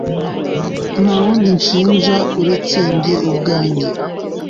Nta wundi nshinja uretse njye ubwanjye